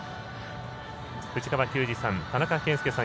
藤川球児さん、田中賢介さん